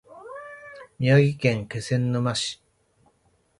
宮城県気仙沼市